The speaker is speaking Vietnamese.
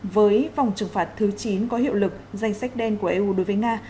với vòng trừng phạt thứ chín có hiệu lực danh sách đen của eu đối với nga